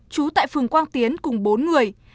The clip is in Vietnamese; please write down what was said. chú tại phường quang tiến cùng bốn người